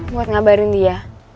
buat ngabarin dia